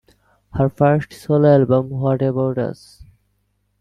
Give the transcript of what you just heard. Her first solo album 'What about Us?